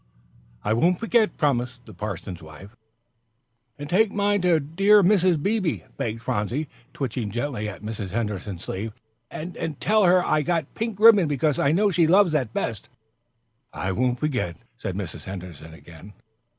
"I won't forget," promised the parson's wife. "And take mine to my dear Mrs. Beebe," begged Phronsie, twitching gently at Mrs. Henderson's sleeve, "and tell her I got pink ribbon because I know she loves that best." "I won't forget," said Mrs. Henderson, again.